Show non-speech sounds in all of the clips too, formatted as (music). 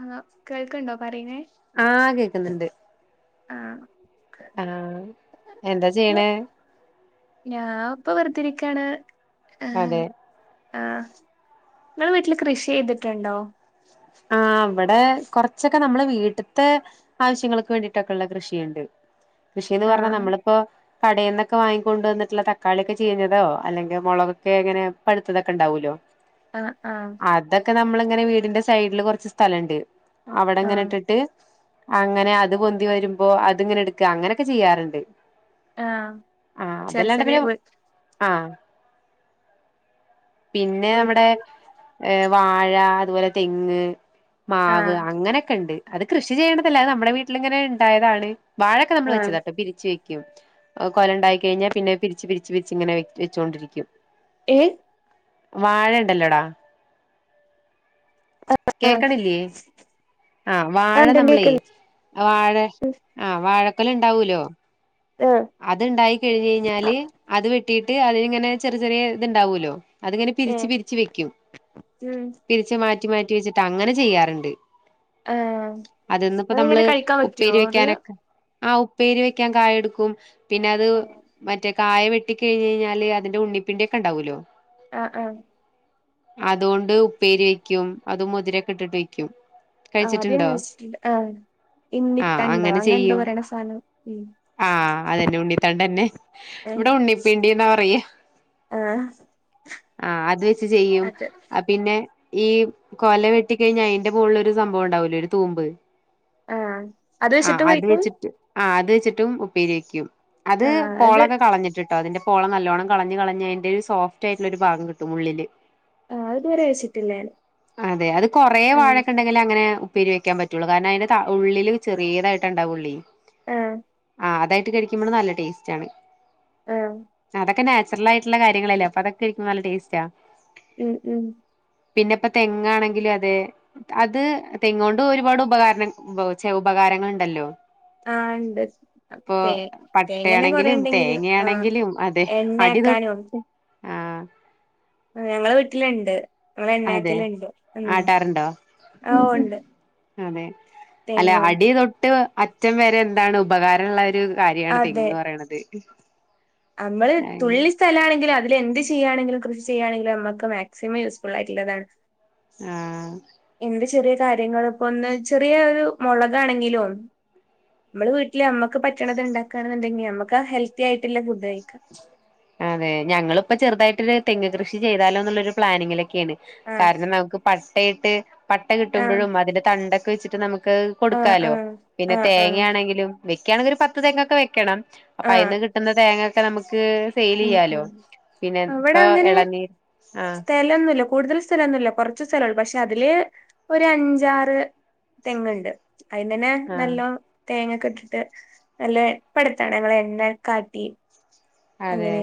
ആ കേൾക്കണ്ടോ പറയുന്നേ ൾക്കുന്നുണ്ട് ആഹ ആഹ എന്താ ചെയ്യണ ഞാൻ ഇപ്പൊ വെറുതിരിക്കാണ് ആഹ ആഹ നിങ്ങൾ വീട്ടില് കൃഷി ചെയ്തിട്ടുണ്ടോ ആ ഇവിടെ കൊറച്ചൊക്കെ നമ്മള് വീട്ടത്തെ ആവശ്യങ്ങൾക്ക് വേണ്ടിട്ടൊക്കെ ഉള്ള കൃഷിയുണ്ട് കൃഷിന്ന് പറഞ്ഞാ ആഹ് നമ്മളിപ്പോ കടെന്നൊക്കെ വാങ്ങിക്കൊണ്ടണ്ട് വന്നിട്ടുള്ള തക്കാളിയൊക്കെ ചീഞ്ഞതോ അല്ലെങ്കിൽ മുളകൊക്കെ ഇങ്ങനെ പഴുത്തതൊക്കെ ഉണ്ടാവല്ലോ ആഹ് ആഹ് അതൊക്കെ നമ്മള് അങ്ങെ വീ ട്ടിന്റെ സൈഡില് കുറച്ച് സ്ഥലമുണ്ട് അവടെ ഇങ്ങനെ ആഹ് ഇട്ടിട്ട് അങ്ങനെ അത് പൊന്തി വരുമ്പോ അത്ങ്ങനെ ഇട്ക്ക അങ്ങനൊക്കെ ചെയ്യാറ്ണ്ട് ആഹ് ആ ചെറി അതല്ലാണ്ട് ചെറിയ പിന്നെ വീ ആ പിന്നെ വീ നമ്മുടെ ഏ വാഴ അതുപോലെ തെങ്ങ് മാവ് ആഹ് അങ്ങനെക്കെണ്ട് അത് കൃഷി ചെയ്യണതല്ല നമ്മുടെ വീട്ടിലിങ്ങനെ ഇണ്ടായതാണ് വാഴക്കെ നമ്മള് ആഹ് വെച്ചതാട്ടോ പിരി ക്കും അത് കൊലണ്ടായി കഴിഞ്ഞാ പിന്നെ അത് പിരിച്ച് പിരിച്ച് പിരിച്ച് ഇങ്ങനെ വെച്ചൊണ്ടിരിക്കും ഏ വാഴ ഇണ്ടല്ലോടാ ആഹ് കേക്കണില്ലേ ആ വാഴ ആഹ് ഇണ്ട്ണ്ട് നമ്മളേ കേക്ക്ണ്ട് വാഴ ഉം ആ വാഴ ക്കൊല ണ്ടാവൂല്ലോ ആഹ് അത്ണ്ടായി കഴിഞ്ഞാല് അത് വെട്ടിട്ട് അതി ങ്ങനെ ചെറിയ ചെറിയ ഇത്ണ്ടാവൂല്ലോ അതിങ്ങനെ പിരിച്ച് ഏഹ് പിരിച്ച് വെക്കും ഉം പിരിച്ച് മാ മാറ്റി മാറ്റി വെച്ചിട്ട് അങ്ങനെ ചെയ്യാറ്ണ്ട് ആഹ് അതിന്ന്പ്പോ അതെങ്ങനെ നമ്മള് കഴിക്കാൻ പറ്റോ ഉപ്പേരി അത് വെക്കാനൊക്കെ ആ ഉപ്പേരി വെക്കാൻ കായ ടുക്കും (inaudible) പിന്നെ അത് ആഹ് മറ്റെ കായ വെട്ടി കഴിഞ്ഞ് ഞയ്ഞ്ഞാല് അതിന്റെ ഉണ്ണിപിണ്ടി ഒക്കെ ഉണ്ടാവൂല്ലോ അ അ അതോണ്ട് ഉപ്പേരി വെക്കും അത് മുതിരക്കെട്ടിട്ട് വെക്കും ആ അത് ഞാൻ കഴിച്ചിട്ടുണ്ടോ കഴിച്ചിട്ട്‌ണ്ട് ആ ആ ഇന്നിത്തണ്ടോ അങ്ങനെ അങ്ങനെന്തോ പറയണ സാനം ഉ അതെ ന്നെ ഉണ്ണിത്തണ്ടെന്നെ ഇവിടെ ഉണ്ണിപ്പിണ്ടി ന്നാ പറയാ ആഹ് ആ അത് ച്ച് ചെയ്യും അത് അ പിന്നെ- ഈ കൊല വെട്ടിക്കഴിഞ്ഞ് അയിന്റെ മുകളിലൊരു സംഭവം ഉണ്ടാവൂലെ ഒരു തൂമ്പ് ആ അത് വെച്ചിട്ട് കഴിക്കും ആ അത് വെച്ചിട്ടും ഉപ്പേരി വെയ് ക്കും അത് ആഹ് അത് പോളൊക്കെ കളഞ്ഞിട്ട് അതിന്റെ പോള നല്ലോണം കളഞ്ഞ് കളഞ്ഞ് അതിന്റെ സോഫ്റ്റ് ആയിട്ടുള്ള ഒരു ഭാഗം കിട്ടും ഉള്ളില് ആ ഇതുവരെ വെച്ചിട്ടില്ലാലേ അതെ അത് കൊറെേ വാഴൊക്കെ ഇണ്ടെങ്കില അങ്ങനെ നെ ഉപ്പേരിവെക്കാൻ പറ്റുള്ളൂ കാരണം അതിന് ഉള്ളില്ചെറിയതായിട്ട ഉണ്ടാവൊള്ളെയ് ആ ആ അതായിട്ട് കഴിക്കുമ്പോള് നല്ല ടേസ്റ്റ് ആണ് ആഹ് അതൊക്കെ നാച് നച്ചോർ ആയിട്ടുള്ള കാര്യങ്ങളല്ലേ അപ്പൊ അതൊക്കെ കഴിക്കുമ്പേ നല്ല ടേസ്റ്റാ ഉം ഉം പിന്നെപ്പ തെങ്ങാണെങ്കിലും അതെ. അത് തെങ്ങു കൊണ്ട് ഒരുപാട് ഉപകാരണ ച്ചെ ഉപകാരങ്ങൾ ഉണ്ടല്ലോ ആ ഇണ്ട് ഇപ്പൊ തേ തേങ്ങനെ കൊറെ പട്ടയാണെങ്കിലും ഉണ്ടെങ്കില് ആ തേങ്ങയാണെങ്കിലും അതെ അടിതൊട്ട് എണ്ണയാക്കാനും ആഹ് ഞങ്ങളെ വീട്ടിലുണ്ട് ങ്ങൾ അതെ എണ്ണയാക്കലുണ്ട് ഉം ആട്ടാറുണ്ടോ ആ ഓ ഉണ്ട് അതെ അല്ല അടി തൊട്ട് അറ്റം വരെ എന്താണ് ഉപകാര ഉള്ള ഒരു കാര്യാണ് തെങ്ങ് പറയണത് (inaudible) അമ്മള് തുള്ളി സ്ഥലാണെങ്കില് അത് എന്ത് ചെയ്യാണെങ്കിലും കൃഷി ചെയ്യാണെങ്കിലും നമ്മക്ക് മാക്സിമം യൂസ്ഫുൾ ആയിട്ടുള്ളതാണ് ആ എന്ത് ചെറിയ കാര്യങ്ങളും ഇപ്പ ഒന്ന് ചെറിയ ഒരു മൊളകാണെങ്കിലും മ്മള് വീട്ടില് നമ്മക്ക് പറ്റണത് ഇണ്ടാക്കാണെങ്കിന്നുണ്ടെങ്കി നമ്മക്ക് ആ ഹെൽത്തി ആയിട്ടുള്ള ഫുഡ് കഴിക്കാം അതെ ഞങ്ങളിപ്പോ ചെറുതായിട്ടൊരു തെങ്ങ് കൃഷി ചെയ്താലോ എന്നുള്ള പ്ലാനിങ്ങിലൊ ക്കെയാണ് ആഹ് കാരണം നമുക്ക് പട്ട് ട്ടേട്ട് പട്ട ആഹ് കിട്ടുമ്പോഴും അതിന്റെ തണ്ട് വച്ചിട്ട് നമുക്ക് ക്ക് ആഹ് കൊടുക്കാലോ ആഹ് പിന്നെ ആഹ് ആഹ് തേങ്ങയാണെങ്കിലും മിസ്സ്‌ വക്കണങ്ക ഒരു പത്ത് തേങ്ങൊക്കെ വെക്കണം അപ്പൊ ആഹ് അയിന്ന് കിട്ടുന്ന തേങ്ങെ നമക്ക് ഉം ഉം അവിടെ ഇപ്പൊ അങ്ങനെ ഇളനീർ ആഹ് സ്ഥലൊന്നുമല്ല കൂടുതൽ സ്ഥലൊന്നുമല്ല കുറച്ച് സ്ഥലള്ള പക്ഷെ അതില് ഒരു അഞ്ചാറ് തെങ്ങുണ്ട് അയിന് തന്നെ ആഹ് നല്ലോ തേങ്ങ ക്ക്ട്ടിട്ട് നല്ല പട്ത്താണ് ഞങ്ങളെണ്ണ കാട്ടി അതെ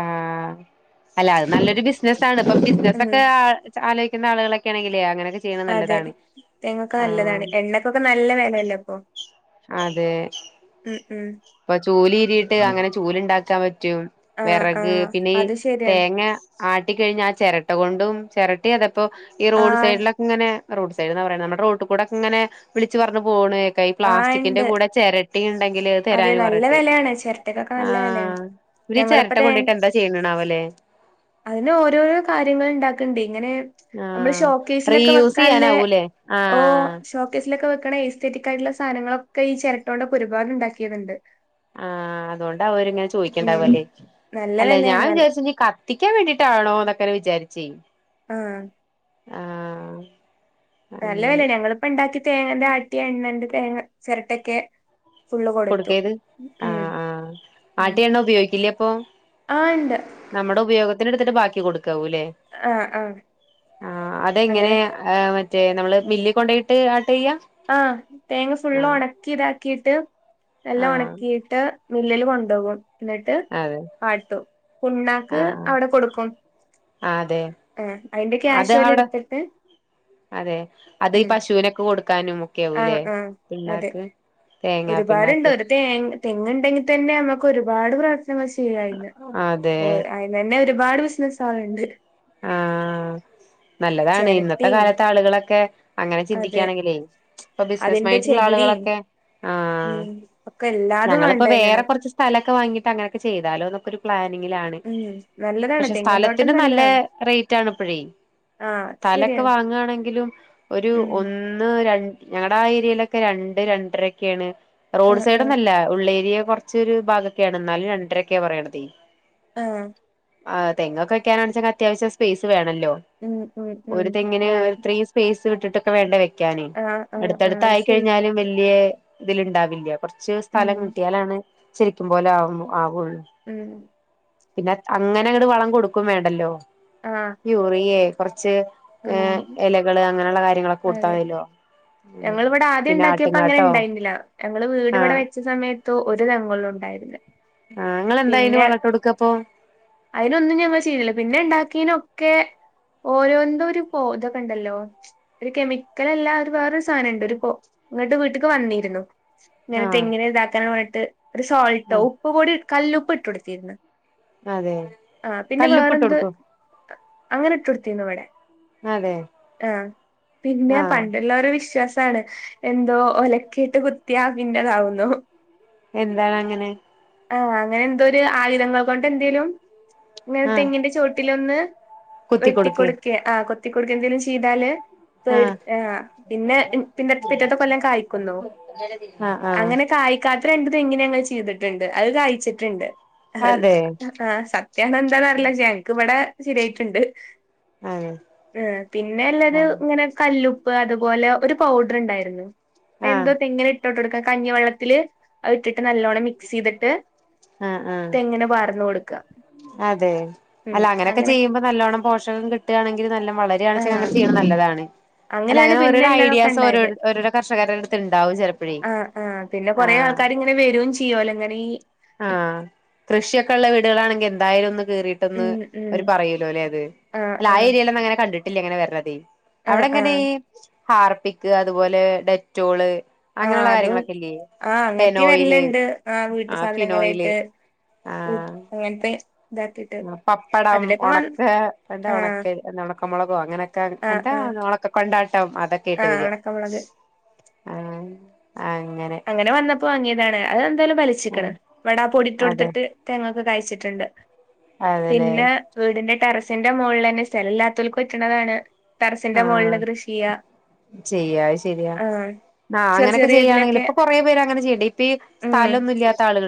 ആ അല്ല അത് നല്ലൊരു ബിസിനസ്സാണ് ഇപ്പൊ ബിസിനസ് ഉം ഒക്കെ ആ ആലോയ് ന്ന ആളുകളൊക്കെ ആണെങ്കിലേ അങ്ങനൊ അതെ തെങ്ങൊക്കെ നല്ലതാണ് എണ്ണക്കൊക്കെ നല്ല വെലല്ലെ പ്പൊ അതെ ഇപ്പൊ ചൂലി ഇരിയിട്ട് അങ്ങനെ ചൂല് ണ്ടാക്കാ പ റ്റും ആഹ് വെറക് ആഹ് പിന്നെ ഇ അത് ശരിയാണ് തേങ്ങ ആട്ടിക്കഴഞ്ഞാ ആ ചെര ട്ടകൊണ്ടും ചെരട്ടിയതെ പ്പൊ ഈ റോഡ് ആഹ് സൈടിലൊക്കെങ്ങനെ റോഡ് സൈടെന്ന് പറയണ നമ്മടെ റോട്ട്കൂടെക്കെങ്ങനെ വിളിച്ച് പറഞ്ഞ് പോണെ ആഹ് പ്ലാസ്റ്റിക്കിന്റെ ഇണ്ട് കൂടെ ചെര ട്ടേണ് അതെ നല്ല വെലയാണ് ചെരട്ടക്കൊക്കെ നല്ല വിലയാണ് ആഹ് ഇവര് ഈ ഞങ്ങളിപ്പൊ ചിരട്ട തേ കൊണ്ടിട്ട് എന്താ ചെയ്യണാവല്ലേ അതിന് ഓരോരോ കാര്യങ്ങൾ ഉണ്ടാക്ക ണ്ടേ ങ്ങനെ നമ്മള് ആഹ് ഷോക്കേസിലൊക്കെ റീയൂസ് വെക്കാല്ലേ ചെയ്യാനാവൂലേ ഓ ആഹ് ഷോക്കേസിലൊക്കെ വെക്കണ ഏ സെറ്റികായിട്ട്ള്ള സാധങ്ങളൊക്കെ ഈ ചെരട്ടോണ്ടൊകൊണ്ട് ഒരുപാട് ഇണ്ടാക്കി ക്കിട്ട്ണ്ട് ആ അതുകൊണ്ടാ അവര് ഇങ്ങനെ ഉം ചോദിക്കണ്ടാവല്ലേ നല്ല അല്ല ഞാൻ വെലയാണ് നൽ വിചാരിച്ച് ഇനി കത്തിക്കാൻ വേണ്ടീട്ടാണോന്നെ വിചാരിച്ചെ ആ ആ നല്ല വെലേണ്‌ ഞങ്ങളിപ്പണ്ടാക്കി തേങ്ങന്റെ ആട്ടിയ എണ്ണണ്ട് തേങ്ങ ചെരട്ടെക്കെ കൊടുക്കേത് ആ ആ ഉം ആട്ടിയണ്ണ ഉപയോഗിക്കില്ലേ അപ്പൊ ആഹ് ഇണ്ട് നമ്മുടെ ഉപയോഗത്തിന്റെ എടുത്തിട്ട് ബാക്കി കൊട് ക്കാവും ല്ലേ ആഹ് ആഹ് ആ അങ്ങനെ അതെങ്ങനെയ ഏ മ റ്റേ നമ്മള് മില്ലി കൊണ്ടോയിട്ട് ആ ആ തേങ്ങ ഫുള്ളും ഒണക്കിതാ ക്കീട്ട് എല്ലാം ആഹ് ഉണക്കിയിട്ട് മില്ലില് കൊണ്ടോകും അതെ ആ പുണ്ണാക്ക് അവിടെ കൊടുക്കും ആ ആതെ ആ അതിന്റെ അത് ക്യാഷ് ഓല് അവടെ എടുത്തിട്ട് അതെ അത് ഈ ഉം പശുവിനൊക്കെ കൊടുക്കാനും ഒക്കെ ആ ആവൂല്ലേ ആ അതെ പിണ്ണാക്ക് തേങ്ങാ ഒരുപാട്ണ്ട് പിണ്ണാക്ക് ഒരു തേ തെങ്ങ്ണ്ടെങ്കി തന്നെ നമ്മുക്ക് ഒരുപാട് ചെയ്‌യായിരുന്ന് അതെ ആയിനെന്നെ ഒരുപാട് ബിസിനസാള്ണ്ട് ആ നല്ലതാണ് ഇന്നത്തെ ചിരട്ടയും കാലത്തെ ആളുകളൊക്കെ അങ്ങനെ ചിന്തികാ അതെ ണെങ്കിലേ ഇപ്പൊ ബിസിനസ്സ് അതിന്റെ മൈന്റ് ഉള്ള ചകിരിയും ആളുകളൊക്കെ ആ ഉം ഒക്കെ എല്ലാതും ഞങ്ങളിപ്പൊ വേണ്ട വേറെ തന്നെയാണ് കുറച്ച് സ്ഥലൊക്കെ വാങ്ങിട്ട് അങ്ങനൊക്കെ ചെയ്താലോന്ന് ഒരു പ്ലാൻ നിങ്ങിലാണ് ഉം നല്ലതാണ് പക്ഷെ തെങ്ങും തോട്ടം സ്ഥലത്തിന് നല്ലേ നല്ലതാണ് റേറ്റ് ആണ്പ്പഴെ ആ സ്ഥലൊക്കെ ശരിയാണ് വാങ്ങാണെങ്കിലും ഒരു ഉം ഒന്ന് ഞങ്ങളുടെ ഏരിയയിലൊക്കെ രണ്ട് രണ്ടരൊക്കെയാണ് ആ റോഡ് ആ സൈഡ്ന്നല്ല ഉള്ളേഏരിയ കുറച്ചൊരു ഭാഗൊക്കെയാണ് എന്നാലും രണ്ടരൊക്കെയാ പറയണത് ഉം ആ അതെ ഇങ്ങക്കേണ്ണന്ന് വെച്ചാ അത്യാവശ്യം സ്പെയ്സ് ഇട്ടാ വല്ലോ ഉം ഉം ഒരു ഉം തെങ്ങിന് വേണം എത്രയും സ്പെയ്സ് വിട്ട്ടൊക്കെ വേണ്ടേ ക്കാനെ ആഹ് ആഹ് ആഹ് അടുത്തടുത്ത് അത് ശരിയാണ് ആയിക്കഴിഞ്ഞാലും വല്യയ ഇതില് ഉണ്ടാവില്ല പ്ര ച്ച് ഉം സ്ഥലം കിട്ടിയാലാണ് (unintelligible) ഉം പിന്നെ അങ്ങനെ ഒരു വളം കൊടുക്കും വേണ്ടല്ലോ ആഹ് യൂറിയെ കൊറച്ച് ഉം കൊടുത്താ അതെ മതിയല്ലോ ഉം ഞങ്ങളിവിടെ ആദ്യം പിന്നെ ഉണ്ടാക്കിയപ്പോ അങ്ങനെ ആട്ടുംകാട്ടോ ഉണ്ടായിന്നില്ല ഞങ്ങൾ വീട് ഇവിടെ ആഹ് വെച്ച സമയത്തോ ഒരു തെങ്ങോല്ലോ ഉണ്ടായിനെ (unintelligible) ആഹ് നിങ്ങളെന്താ അയിന് പിന്നെ വളട്ട് കൊടുക്കപ്പൊ അതിനൊന്നും ഞങ്ങൾ ചെയ്തില്ല പിന്നെണ്ടാ (unintelligible) ത്പ്പൊ ഇതൊക്കെ ഉണ്ടല്ലോ ഒരു കെമിക്കൽ അല്ല ഒരു വേറൊരു സാധനംണ്ട് ഒരു ഇങ്ങോട്ട് വീട്ട്ക്ക് വന്നിരുന്നു ങ്ങനെ ആഹ് തെങ്ങിന് ഇതാക്കാന് ട്ട് ഒരു സോൾട്ടോ ആഹ് ഉപ്പ് കൂടി കല്ലുപ്പ് ഇട്ടുകൊടുക്കരുത് അതെ ആ പിന്നെ കല്ലുപ്പിട്ട് വേറെന്ത് കൊടുക്കും അങ്ങനെ ഇട്ട് കൊടുത്തിനു ഇവടെ അതെ ആഹ് പിന്നെ ആഹ് പണ്ട്ള്ളോരെ വിശ്വാസം ഇതാണ് എന്തോ ഒലക്കിട്ട് കുത്തിയാ പിന്നതാവുന്നോ എന്താണ് അങ്ങനെ ആഹ് അങ്ങനെ എന്തോ ഒരു ആയുധങ്ങൾ കൊണ്ട് എന്തേലും ഇങ്ങനെ ആഹ് തെങ്ങിന്റെ ചോട്ടി ൽ ഒന്ന് കുത്തി കൊടുക്കെ ക്കെ ആ കൊത്തി കൊടുക്കെ എന്തെലും ചെയ്താല് പേ ആഹ് ആ പിന്നെ പിന്ന പിറ്റത്തെ കൊല്ലം കായ്ക്കുന്നോ ആഹ് ആഹ് അങ്ങനെ കായ്ക്കാത്ത രണ്ട് തെങ്ങിനെ അങ്ങനെ ചെയ്ത്ട്ട്ണ്ട് അത് കയ്ച്ചിട്ട്ണ്ട് അത് അതെ ആ സത്യാണോ എന്താന്ന് അറില്ല ഞങ്ങക്കിവടെ ശെരിയായിട്ട്ണ്ട് അതെ ആ പിന്നെല്ലരു ആഹ് ഇങ്ങനെ കൽ ല്ലുപ്പ് അതുപോലെ ഒരു പൗഡറ് ഒണ്ടാരുന്നു ആഹ് എന്തോ തെങ്ങിനെ ട്ടോട്ടടുക്ക കഞ്ഞ വെള്ളത്തില് അത് ഇട്ടിട്ട് നല്ലോണ്ണം മിക്സ് ചെയ്തിട്ട് ആ ആ തെങ്ങിന് പാർന്ന് കൊടുക്ക അതെ ഉം അല്ല അങ്ങനെയൊക്കെ അങ്ങനെ ചെയ്യുമ്പോ നല്ലോണ്ണം പോഷകം കി ട്ടാണെങ്കിൽ നല്ല വളരാണെചെങ്കി ആഹ് അങ്ങനെ ചെയ്യ്ണെ നല്ലതാ താണ് അല്ല അങ്ങനെയാണ് അങ്ങനെ പിന്നെ ഓരോരോ എല്ലാതൊക്കെ ഐഡിയാസ് ഓരോ ഉണ്ടായത് ഓരോരോ കർഷകരുടെ അടുത്ത് ഇണ്ടാവും ചെിലപ്പഴേ ആഹ് ആഹ് യോലങ്ങനീ ആഹ് കൃഷിയൊക്കെ ഉള്ള വീടുകളാണെങ്കിൽ എന്തായാലും ഒന്ന് കേറിട്ടൊന്ന് ഉം ഉം അവര് പറയൂലോ അല്ലെ അത് ആഹ് അ ആ ആഹ് ഏരിയേലൊന്നും അങ്ങനെ കണ്ടി ട്ടില്ലങ്ങനെ വര്ണെതേ അവിടെ ആഹ് എങ്ങനെ ആഹ് ഹാർപ്പി ക് അതുപോലെ ഡെറ്റോള് ആഹ് അങ്ങനെയുള്ള അതും കാര്യങ്ങളൊക്കെ ഇല്ലേ ആഹ് അങ്ങൻത്തെ പെനോയില് വരല്ണ്ട് ആ വീട്ട് സാ ആഹ് ഫിനോയില് സാധനങ്ങളായിട്ട് ഉം ആഹ് അങ്ങൻതെ പപ്പടം വ ഒണക്ക എന്താ ആഹ് ഒണക്ക് എന്താ ഒണക്കമൊളകോ അങ്ങനെയൊക്കെ ആഹ് എന്താ ആഹ് ഒണക്ക കൊണ്ടാട്ടം അതൊക്കെ ആയിട്ട ആഹ് വര്അ ഉണക്കമുളക് ആഹ് അങ്ങനെ വന്നപ്പോ അംഗീക (unintelligible) ന്തായാലും വലിച്ചീക്കണ് വലിച്ചിക്കണം ബടാ പൊടി ഇട്ട് അതെ കൊടുത്തിട്ട് തേങ്ങാ ത് കഴിച്ചിട്ടുണ്ട് അതെല്ലേ പിന്നെ വീടിന്റെ ടെറസിന്റെ മുകളിലന്നെ സ്ഥലം ഇല്ലാത്തവൽക്ക് പറ്റണതാണ് ടെറസിന്റെ ആഹ മുകളില് കൃഷിചെയ്യാ ചെയ്യാ അത് ശരിയാ ആ ചെറിയ ചെറിയ ഇതിലൊക്കെ കുറേ പേര് അങ്ങനെ ചെയ്യണ്ണ്ടെ ഇപ്പ ഈ ഉം സ്ഥലൊന്നും ഇല്ലാത്ത ആളുകള്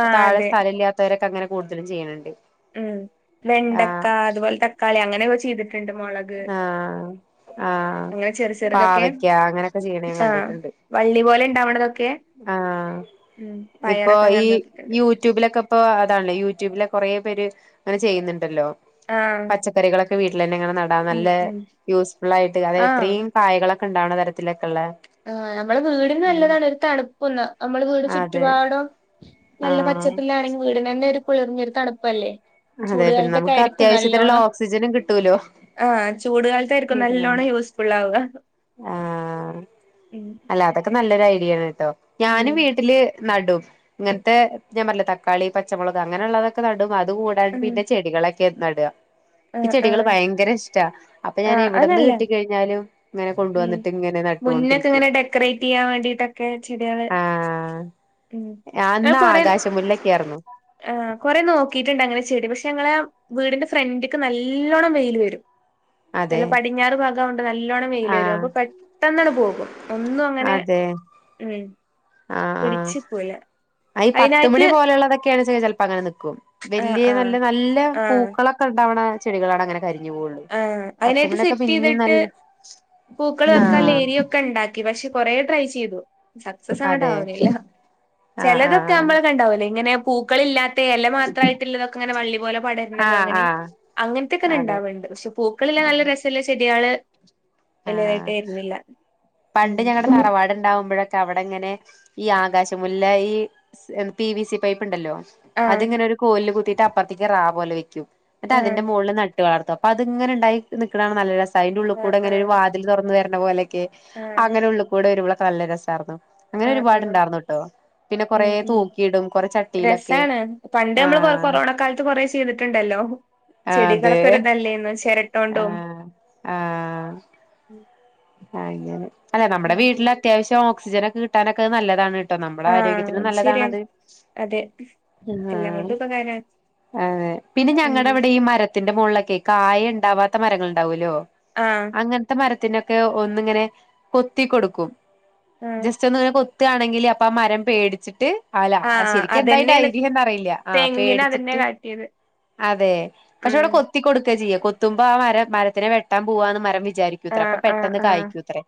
ആഹ് താഴെ അതെ സ്ഥലമില്ലാത്തവരൊക്ക അങ്ങനെ കൂടുതലും ചെയ്യുണുണ്ടെ ഉം വെണ്ടക്ക അതുപോലെ തക്കാളി അങ്ങനെയൊക്കെ ചെയ്തി ആഹ് ആഹ് അങ്ങനെ ചെറു ചെറുതൊക്കെ പാവയ്ക്ക അങ്ങനെയൊക്കെ ചെയ്യണ ഞാൻ ആഹ് കണ്ടിട്ടുണ്ട് വള്ളി പോലെ ഇണ്ടാവണതൊക്കെ ആഹ് ഉം ഇപ്പൊ പയറൊക്കെ ഈ അങ്ങനെ നോക്കിട്ടുണ്ട് യൂട്യൂബിലൊക്കെ ഇപ്പൊ അതാണ് യൂട്യൂബിലെ കുറെ പേര് ങ്ങനെ ചെയ്യുന്നുണ്ടല്ലോ ആഹ് പച്ചക്കറിളൊ ത് വീട്ടിലന്നെ എങ്ങനെ ന അത് ഉം നല്ല ഉം യൂസ്ഫുൾ ആയിട്ട് അത് എത്രയും പായകളെ ഒണ്ടാവണ തരത്തില് ആ ഞമ്മള വീടിന് നല്ലതാണ് ഒരു തണുക്കുന്ന നമ്മള വീട് അതെ ചുറ്റുപാടും നല്ല ആഹ് പച്ചപ്പിലാണെങ്കിൽ വീടിനു തന്നെ കുളിർഞ്ഞൊരു തണുപ്പല്ലേ അതെ പിന്നെ ചൂടുകാലത്തൊക്കെ നമുക്ക് ആയിരിക്കും നല്ലോണം അത്യാവശ്യത്തിനുള്ള ഓക്സിജനും കിട്ടൂലോ ആഹ് ചൂട് കാലത്തായിരിക്കും നല്ലോണം യൂസ്ഫുൾ ആവുക ആ ഉം അല്ല അതൊക്കെ നല്ലൊരായി ഡിയാൻ ഉം ഞാനും വീട്ടില് നടും ഇങ്ങനത്തെ ഞാൻ പറഞ്ഞില്ലേ തക്കാളി, പച്ചമുളക് അങ്ങനെയുള്ളതൊക്കെ നടും അത് ബൾബ് ഉം ചെയ്ത ചെടികളെ ക്കെ നട്ക ക്ക് ആഹ് ചെടികള് ആഹ് ഭയങ്കര ഇഷ്ടാ അപ്പൊ ഞാന് ആഹ് അത് ഇവിടുന്ന് നല്ലതാ കിട്ടി കഴിഞ്ഞലും ലും ഉം മുന്നക്കെ ഇങ്ങനെ ഡെക്കറേറ്റ് ചെയ്യാൻ വേണ്ടിട്ടൊക്കെ ചെടികള് ആഹ് ഞാ അന്ന് കൊറെ ആകാശമുല്ലൊക്കെ ആയിരുന്നു ആ കൊറെ നോക്കിട്ടുണ്ട് അങ്ങനെ ചെടി പക്ഷെ ഞങ്ങളെ വീടിന്റെ ഫ്രണ്ട്ക്ക് നല്ലോണ്ണം വെയില് വരും അതെ നല്ല പടിഞ്ഞാറ് ഭാഗമാകോണ്ട് നല്ലോണം വെയില് വരും ആഹ് അപ്പൊ പെട്ടന്നണ് പോകും അ ഒന്നും അങ്ങനെ ഉം ആഹ പിടിച്ച് നിക്കൂല ആ ഈ അയിനായിട്ട് പത്തുമണി പോലെയുള്ളതൊക്കെയാണ ചിലപ്പോ അങ്ങനെ നക്കും ആഹ് വല്ിയ ആഹ് നല്ല നല്ല പൂക്കളൊക്കെ ഉണ്ടാവണ ചെികളാണ് അങ്ങെ ആഹ അതിനായിട്ട് സെറ്റ് ചെയ്തിട്ട് നല്ല പൂക്കൾ വെക്കാ ആഹ് ലേരിയ ഒക്കെ ഉണ്ടാക്കി പക്ഷെ കൊറേ ട്രൈ ചെയ്തു സക്സസ് അങ്ങോട്ട അതെ ആാവണല്ല ആഹ് ചിലതൊക്കെ ആഹ് നമ്മള കണ്ടാവല്ലേ ഇങ്ങനെ പൂക്കളില്ലാത്ത തേല മാത്രമായിട്ടുള്ളതൊക്കെ അങ്ങനെ വള്ളി പോലെ പടരുന്നതും ആഹ് ആഹ് അങ്ങനെയും ആഹ് അങ്ങനത്തെക്കനെ അതെ ഉണ്ടാവുണ്ട് പക്ഷെ പൂക്കള് ള്ളെ നല്ല രെസല്ല ചെടി ഇയാള് ആഹാ ഉം പണ്ട് ഞങ്ങടെ തറവാട്ണ്ടാവുമ്പഴക്കെ അവടങ്ങനെ ഈ ആകാശമുല്ല ഈ പി വി സി പൈപ്പ് ഉണ്ടല്ലോ? ആഹ് അതിങ്ങനൊരു കോല്ൽ കുത്തി അപ്പർത്തേക്ക്‌ റാ പോലെ വെക്കും. ആഹ് ട്ടതിന്റെ മോള്ല് നട്ട് വളർത്തും. അത്ങ്ങനെണ്ടായി നിക്കണകാണാൻ നല്ല രസ് ആഹ് ട്ടയിന്റുള്ളിക്കൂടെ ഇങ്ങനൊ ആഹ് വാതിൽ തുറന്നു തരണ പോലെയൊക്കെയെ അങ്ങനെ ഉള്ളിൽ കൂടെ ഒരു ല്ലേ രേസാർന്നു. ആ ആ കൊറേ മ് മ് തൂക്കിയിടും കൊറേ ചട്ടിയിലൊക്കെ രെസാണ് പണ്ട് ഞമ്മള് കൊ ആഹ് കൊറോണ കാലത്ത് കൊറെ ചെയ്തിട്ടുണ്ടല്ലോ? അതെ ചെടികളൊക്കെ ഒരു തല്ലേന്ന് ചിരട്ടോണ്ടും ആഹ് ഉം അല്ലെ നമ്മടെ വീട്ടില് അത്യാവിശ്യം (unintelligible) കിട്ടാനൊക്കെത് നല്ലതാണ്. ട്ടോ നമ്ളെ ആഹ് ആരോഗ്യത്തിനും അത് ശരിയാണ് നല്ലതാണത്. അതെ ആ എല്ലാം കൊണ്ടും ഉപകാരാണ് അതെ പിന്നെ ഉം ഞങ്ങടവിടെയെ ഈ മരത്തിന്റെ മോൾള്ളൊക്കെയേ ണ്ടാവാത്ത മരങ്ങളുണ്ടാവൂലോ. ആഹ് അങ്ങെൻത്തെ മര (inaudible) (unintelligible) ഒന്നിങ്ങനെ കൊത്തി കൊടുക്കും. ആഹ് ജെസ്റ്റൊന്ന്‌ (unintelligible) ത്ത് ആണെങ്കിൽ അപ്പാമരം പേടിച്ചിട്ട് അല ആഹ് ശെരിക്കെന്തായിന്റെ അതന്നെയാണ് ഐഡിയ എന്നറിയില്ല. ആ തെങ്ങിന് അതന്നെ പേടിച്ചിട്ട് കാട്ടിയത് അതെ പക്ഷെ ഉം അവിടെ കൊത്തി കൊടുക്ക ചെയ്യാ കൊത്തുമ്പോ ആ മരം മരത്തിനെ വെട്ടാൻ പോവാന്ന് മരം വിചാ ചാരിക്കുവത്രെ അപ്പ ആഹ് ആഹ് പെട്ട് ആഹ് കായിക്കൂത്രെ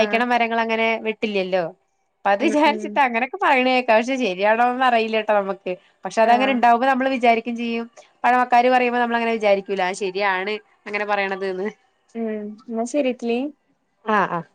ആഹ് മരങ്ങളങ്ങനെ ങ്ങനെ വെട്ടില്ലല്ലോ? പ്പത് ഉം ഉം വിചാരിചിട്ട് അങ്ങനൊക്കെ പറയണെ കേക്ക് ഇപ്രാശ്യം ശരിയാണോന്നൊന്നും അറിയില്ലാട്ടോ നമ്മക്ക്. പക്ഷേ അത് ആഹ് അങ്ങനെണ്ടാവുമ്പോ നമ്മള് വിചാരി ക്കേം ചെയ്യും പഴമക്കാര് പറയുമ്പം നമ്മളങ്ങനെ വിചാരിക്കൂലേ അത് ശെരിയാണ് അങ്ങനെ പറയണതെന്ന്. ഉം ഇന്നാ ശരി (unintelligible) ആഹ് ആഹ്